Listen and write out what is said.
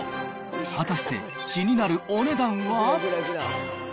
果たして気になるお値段は。